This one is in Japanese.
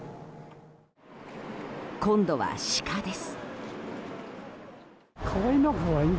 今度は、シカです。